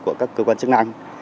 của các cơ quan chức năng